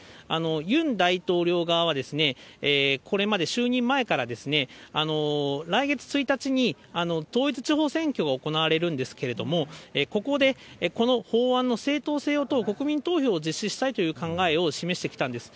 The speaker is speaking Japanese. ユン大統領側は、これまで就任前から、来月１日に統一地方選挙が行われるんですけれども、ここでこの法案の正当性を問う国民投票を実施したいという考えを示してきたんです。